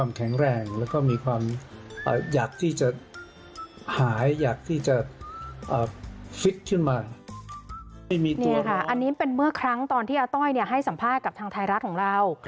นี่ค่ะอันนี้เป็นเมื่อครั้งตอนที่อาต้อยให้สัมภาษณ์กับทางไทยรัฐของเรา